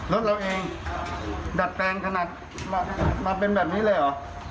รถเราเองดัดแปลงขนาดมาเป็นแบบนี้เลยเหรอ